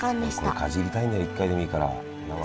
これかじりたいんだよね一回でもいいから生で。